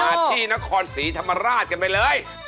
ที่นครศรีธรรมราชกันไปเลย